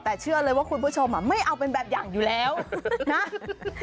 แต่เชื่อเลยว่าคุณผู้ชมไม่เอาเป็นแบบอย่างอยู่แล้วนะ